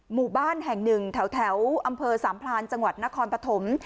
หมู่บ้านแห่งหนึ่งแถวอำเภอสามพลานจังหวัดนครปฐม